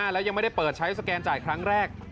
และยังไม่ได้เปิดใช้สแกนจ่ายครั้งแรก